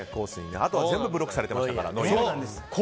あとは全部ブロックされていましたから。